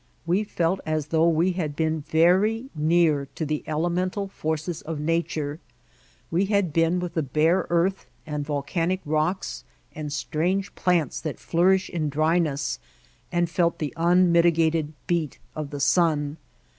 We felt as though we had been very near to the elemental forces of nature; we had been with the bare earth and volcanic rocks and strange plants that flourish in dryness, and felt the unmitigated beat of the sun.